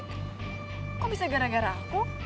kok bisa gara gara aku